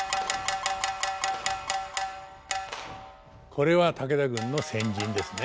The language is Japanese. これは武田軍の先陣ですね。